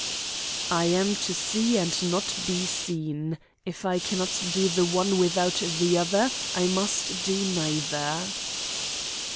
"I am to see and not be seen. If I cannot do the one without the other, I must do neither."